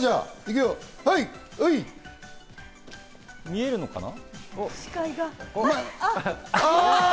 見えるのかな？